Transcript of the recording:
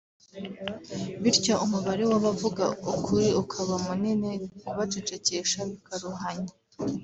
bityo umubare w’abavuga ukuri ukaba munini kubacecekesha bikaruhanya